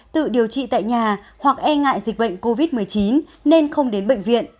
tự điều trị tại nhà hoặc e ngại dịch bệnh covid một mươi chín nên không đến bệnh viện